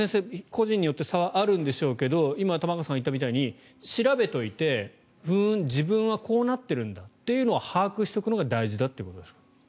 個人によって差はあるんでしょうが今、玉川さんが言ったみたいに調べておいてふーん、自分はこうなっているんだというのを把握しておくのが大事だってことですか？